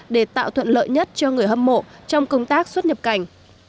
để tạo thuận lợi nhất cho người hâm mộ trong công tác xuất nhập cảnh